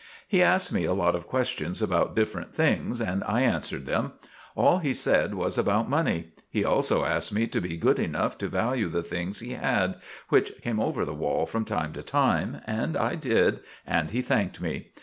He asked me a lot of questions about different things, and I answered them. All he said was about money. He also asked me to be good enough to value the things he had, which came over the wall from time to time; and I did, and he thanked me.